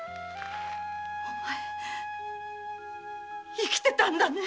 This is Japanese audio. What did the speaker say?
お前生きてたんだね。